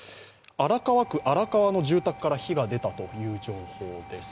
荒川区荒川の住宅から火が出たという情報です。